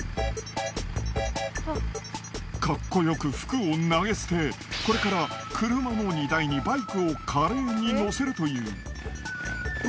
格好よく服を投げ捨てこれから車の荷台にバイクを華麗に載せるという。